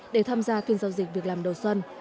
để tham gia phiên giao dịch việc làm đầu xuân